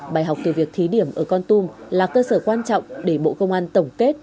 bài học từ việc thí điểm ở con tum là cơ sở quan trọng để bộ công an tổng kết